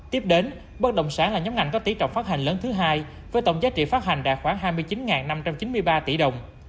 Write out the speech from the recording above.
tiếp đến bất động sản là nhóm ngành có tỷ trọng phát hành lớn thứ hai với tổng giá trị phát hành đạt khoảng hai mươi chín năm trăm chín mươi ba tỷ đồng